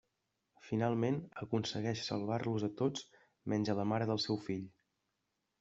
Finalment, aconsegueix salvar-los a tots menys a la mare del seu fill.